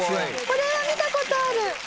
これは見た事ある！